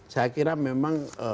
saya kira memang